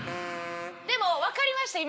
でもわかりました